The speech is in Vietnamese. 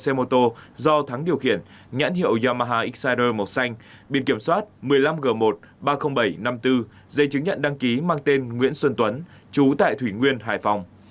xe mô tô do thắng điều kiện nhãn hiệu yamaha exciter màu xanh biển kiểm soát một mươi năm g một ba trăm linh bảy năm mươi bốn dây chứng nhận đăng ký mang tên nguyễn xuân tuấn chú tại thủy nguyên hải phòng